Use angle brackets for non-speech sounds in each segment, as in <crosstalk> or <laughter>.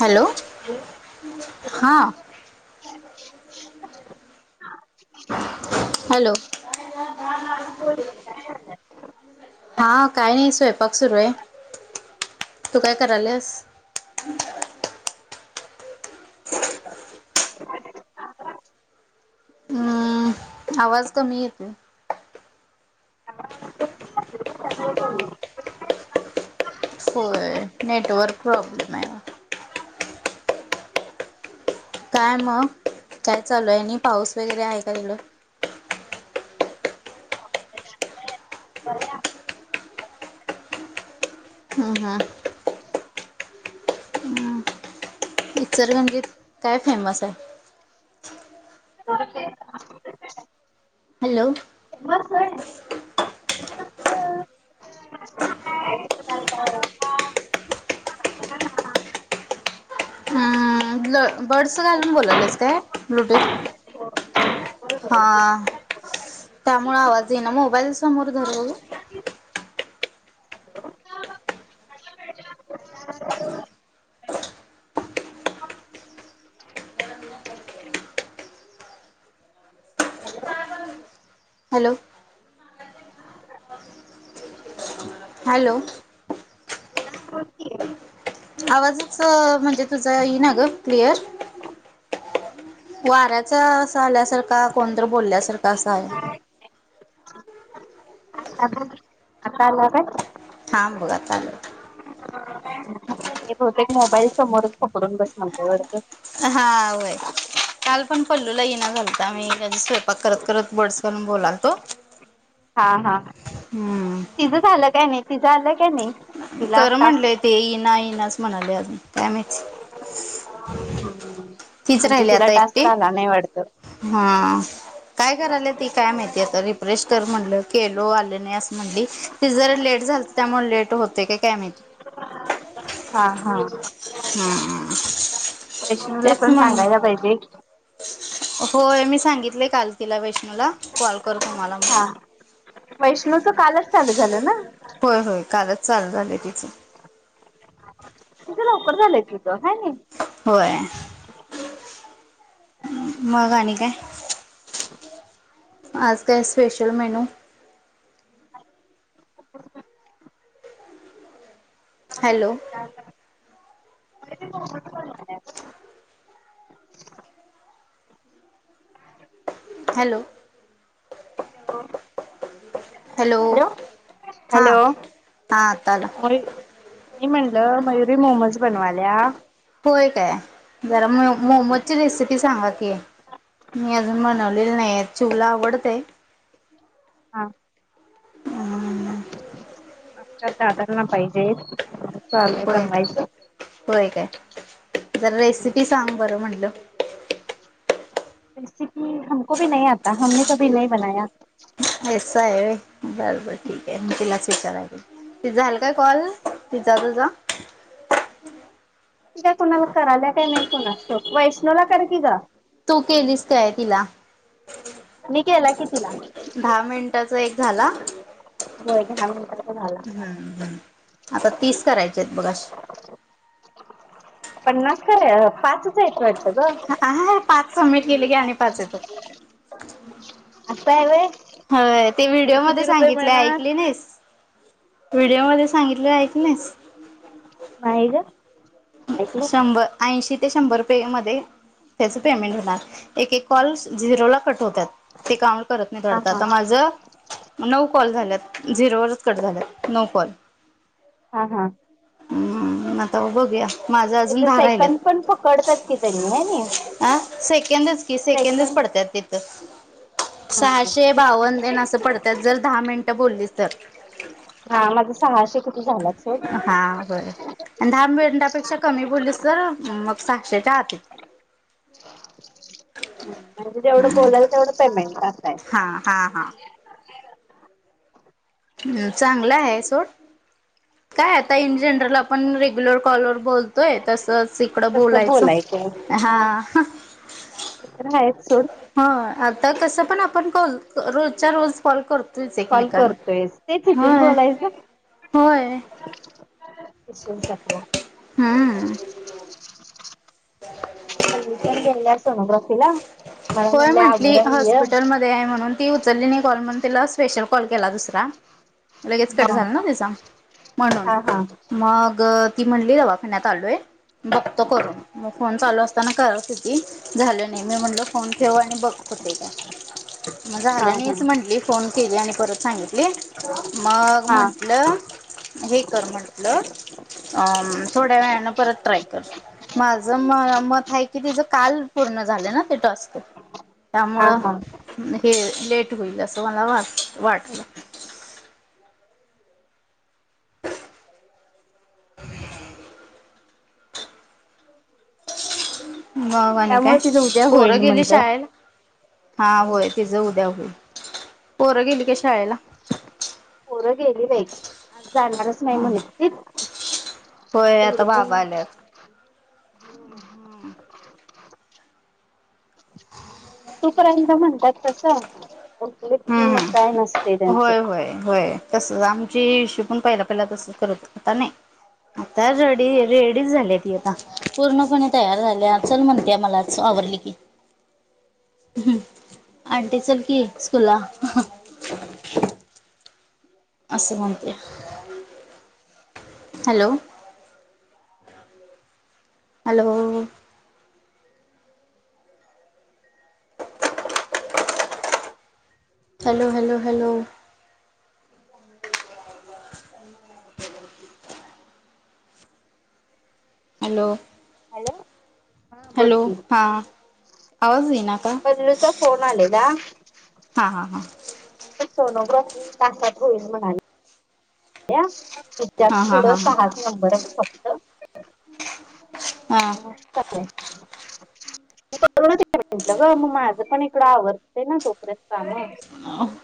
Hello हा <inaudible> hello <inaudible> हा काय नाही स्वयंपाक सुरूये तू काय करायल्यास? हम्म, आवाज कमी येतोय. <inaudible> होय नेटवर्क प्रॉब्लेमाय ओ काय मग काय चालूय आणि पाऊस वगैरे आहे का तिकडं? हम्म हा इचलकरंजीत काय फेमसाय? <unintelligible> हॅलो <unintelligible> <inaudible> ब्ल बर्ड्स घालून बोलायल्यास काय ब्लूटूथ? हा त्यामुळें आवाज येईना मोबाईल समोर धर बघू हॅलो हॅलो हा बोल की आवाजच म्हणजे तुझा ईना ग क्लिअर वाऱ्याचा असा आल्यासारखा कोणतर बोलल्यासारखा असं आहे. आता बोल आता आला काय? थांब बघ आता आलंय. ते बहुतेक मोबाईल समोरच कपडून बस म्हणतय वाटत. हा व्हय काल पण पल्लूला ईना झालता मी कनी स्वयंपाक करत करत बड्स घालून बोलालतो. हा हा हम्म तिज झालं काय नाही तिच आलं का नाही? तिला कर म्हणलंय टास्क? ते ईना ईनाच म्हणालय अजून काय माहित म्हणजे तिला टास्कच एकटी आला नाही वाटत. हा काय करायल्या ती काय माहितीय आता रिफ्रेश कर म्हणल केलो आलं नाही असं म्हणली तीच जरा लेट झालत. त्यामुळे लेट होतय का काय माहिती हा हा हा वैष्णूला पण सांगायला पाहिजे. होय मी सांगितल काल तिला वैष्णूला कॉल कर तुम्हाला म्हणून हा वैष्णूच कालच चालू झालं ना? होय होय कालच चालू झालय तिचं तिचं लवकर झालंय तीज हाय नी होय मघ आणि काय? आज काय स्पेशल मेनू हॅलो. हॅलो. ह. हॅलो. हां हॅलो. हां आता आला मी म्हणलं मयुरी मोमोज बनवाल्या. होय काय जरा म हम्म. मोमोजची रेसिपी सांगा की मी अजून बनवलेली नाही चिऊला आवडतय. हा ह. आमच्या दादांना पाहिजे चाललय होय बनवायचं. होय काय जरा रेसिपी सांग बरं म्हणलं. रेसिपी हमको भी नाही आता हमने कभी नाही बनाया. ऐसा हाय होय बर बर ठीक आहे तिलाच विचारायला पाहिजे. तिजा झाला काय कॉल तिजा तुजा कराय काय नाही कुणाष्टाउक वैष्णवीला कर की ग. तू केलीस काय तिला मी केला की तिला दहा मिनिटाचा एक झाला. हो दहा मिनिटाचा झाला हम्म ह् आता तीस करायचे आहेत बघ अशे. पन्नास पाचच आहेत वाटतं ग. आ पाच सबमिट केले की आणि पाच येतात. अस हाय वय हो ते व्हिडिओ मध्ये सांगितले मिळणार ऐकले नाहीस. व्हिडिओमध्येध्ये सांगितले आहे ऐकलं नाहीस. नाही ग. ऐकलं शंभर ऐंशी ते शंभर रुपये मध्ये त्याच पेमेंट होणार एक एक कॉल झिरो ला कट होतात. ते काउंट करत नाहीत हा वाटत हा आता माझं. नऊ कॉल झाल्यात झिरोवरच कट झाल्यात नऊ कॉल हा हा. हम्म आता बघूया. माझा अजून त्याचे दहा राहिल्यात सेकंद पण पकडतात की त्यांनी हाय नी सेकंडच ते सेकंदच सेकंद पडतात तिथं. हा सहाशे बावन्न येण असं पडतात जर दहा मिनिटं बोललीस तर हा माझं सहाशे किती झालाच. हा बर ए आबड. पेक्षा कमी बोललीस तर मग साक्षशेच्या आ. म्हजे जेवढं बोलाय तेवढं पेमेंट कर. हा हा हा. हम् चांगला आहे सोड. काय आता इन जनरल आपण रेग्युलर कॉलर बोलतोय तसंच. थोडं बोलायचं हा. ते तर आहेच सोड. ह आता कसं पण आपण कॉल रोजच्या रोज कॉल करतो. कॉल करतोयस तेच तस बोलायचं. विात होय हम्म कल्ली पण गेल्या सोनोग्राफीला मला मु होय ल म्हंटली आभर हय हॉस्पिटलमध्ये म्हणून ती उचलली नाही कॉल म्हणून तिला स्पेशल कॉल केला दुसरा लगेच कट हा झालं ना ते सांग म्हणून हा हा मग ती म्हणली दवा फण्यातत आलोय बघतो करून मग फोन चालू असताना कर किती झाले नाही मी म्हणलो फोन ठेव आणि बघतते का मग हा झालं आणिच हा म्हटली फोन केले आणि परत सांगितले मग हा म्हंटलं हे कर म्हंटलं अ थोड्या वेळानं परत ट्राय कर माझं म मत आहे की तिचं काल पूर्ण झालं ना ते टस्क हा त्यामुळं हा हे लेट होईल असं मला वाट वाटलं बाबाणी काय त्यामुळे तिचं उद्या पोरं होईल गेली म्हटलं शाळल हा होय तिचं उद्या होईल पोरं गेली का शाळेला पोरं गेली बा जाणणारच नाही म्हणत त होय आता बाबा आल्यात तूप एकदा म्हणतात तसं व्यक्ि हम्म मग काय हम्म नसते त्यांचं होय होय होय तस आमचे इशू पण पहिला पहिला तस करत आता नाही आता रेडी रेडीच झाली ती आता पूर्णपणे तयार झाल्या चल म्हणतेय मला आवरली की ह आंटी सल की स्कूला असशुवते hello hello hello hello hello hello hello ह बोल हॅलो कि हां आवाज देईना का पल्लूचा फोन आलेला हा हा हां सोनोब तासात होईल म्हणाले तच्यात हां हां पुढं हां हां सहाच नंबर फक्त अस हा आहे कर म्हटलं ग मग माझं पण इकडं आवडतं ना चोपऱ्यात काम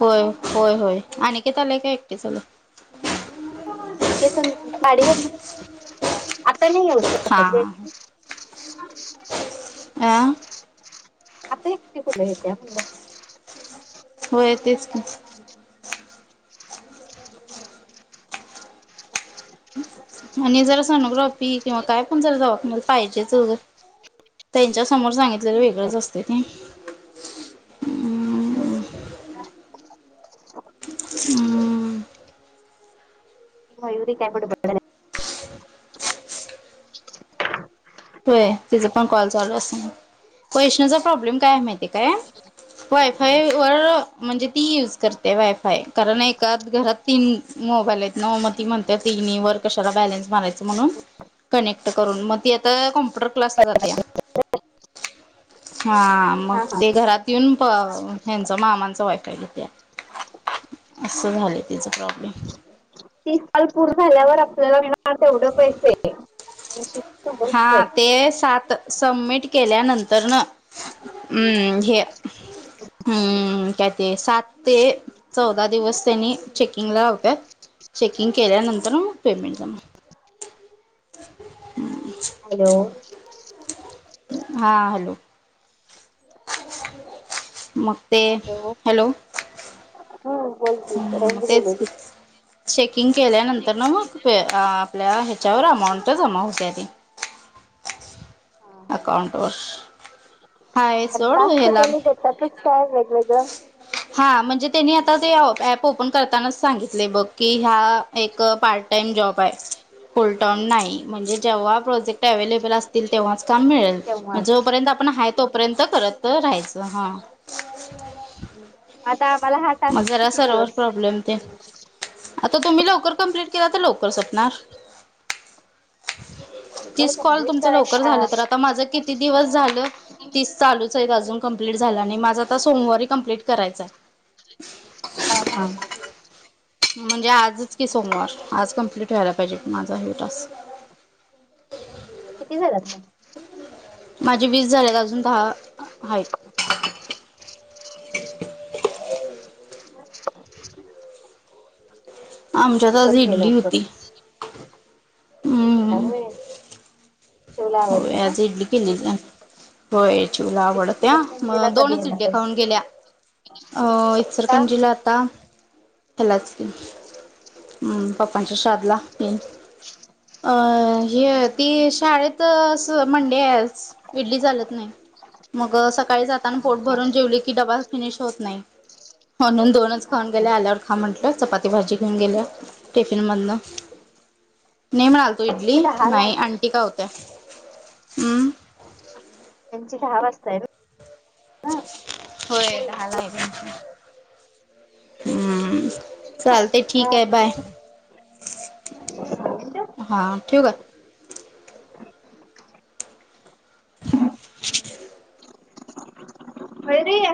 होय होय होय आणि का झालं काय एकटे झाले पाडीवर आता नाही येऊ शकत हा अ आह आता एकटी कुठं येत्या म्हणलं? होय तेच की आणि जरा सनोग्राफिक किंवा काय पण जर जाऊ पाहिजेच त्यांच्या समोर सांगितलेलं वेगळंच असते ते हम्म हा गयवरी कायबड ब होय तिचा पण कॉल चालू अस कैष्णचा प्रॉब्लेम काय आहे माहिती आहे काय वायफाय वर म्हणजे ती यूज करते वायफाय कारण एकात घरात तीन मोबाईल आहेत ना, म ती म्हणत्यात तिन्ही वर कशाला बॅलेन्स मारायचं म्हणून कनेक्ट करून मग ती आता कॉम्प परत क्लासला जात्या हां मग हा हा ते घरात <unintelligible> प अह ह्यांच मामांचं वायफाय घेते असं झालं तिचं प्रॉब्लेम तीस कॉल पूर्ण झाल्यावर आपल्याला मिळणारं तेवढं पैसे ऐंशी शंभर हा रुपये ते सात सबमिट केल्यानंतर न उम्म हे <unintelligible> हम्म काय ते सात ते चौदा दिवस त्यांनी चेकिंगला लावत्यात. चेकिंग केल्यानंतर मग पेमेंट जमा हॅलो हा हॅलो मग ते हॅलो हो बोल की हम्म रेंज मग तेच की गेलेली चेकिंग केल्यानंतर ना मग प अह आपल्या ह्याच्यावर अमाऊंट जमा हुत्या ती. हा हा अकाऊंटवर अन् टास्क त्यांनी देतातच काय वेगवेगळं हा म्हणजे त्यांनी आता ते अह ऍप ओपन करतानाच सांगितलय बघ की ह्या एक पार्ट टाईम जॉब आहे फुल टोन नाही म्हणजे जेव्हा प्रोजे अवलेबल असतील तेव्हाच काम मिळेल, मग तेव्हाच जोपर्यंत आपण हाय तो पर्यंत करत राहायचं हां. आता आम्हाला हा मग टास्क जरा किती सर्वर दिवस प्रॉब्लेम ते आता तुम्ही लवकर कमप्लीट केला तर लवकर सपणार लवकर तीस कॉल कंप्लीट तुमचं लवकर करायला झालं, तर आता माझं किती दिवस झालं तीस चालूच आहेत अजून कंप्लीट झाला नाही, माझं आता सोमवारी कंप्लीट करायचं आहे. हा हा. म्हणजे आजच की सोमवार, आज कंप्लीट व्हायला पाहिजे माझा हे टास्क किती झालात?? माझी वीस झालेत, अजून दहा अह हाय. आमच्यात म्हणजे आज होईल हे इडली होती लवकरचं <unintelligible> हम्म होय शिवला हो आवडतं ना आज इडली किली ना. होय चिऊला आवडत्या, इचलकरंजीला मग कधी दोनच येणार इडल्या आहेस खाऊन गेल्या. अ सांग इचरकरंजीला आता ह्यालाच की उम्म पप्पांच्या श्रादला हम्म एय हे ती शाळेत असं मंडे आहे, आज इडली चालत नाही. मग सकाळी जाताना पोट हा भरून जेवले की डबा फिनिश होत नाही म्हणून दोनच खाऊन हा गेल्या आल्यावर खा म्हटलं चपाती भाजी घेऊन गेल्या टिफिन मधन नाही म्हणाल तो इडली त्यांची दहा ला नाही आणंटी का होत्या त्यांची घहा वाजताय होय स्कूल दहा राहिले चालते ठीक आहे बाय हा ठीव का. <unintelligible>